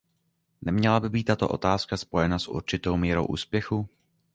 Neměla by být tato otázka spojena s určitou mírou úspěchu?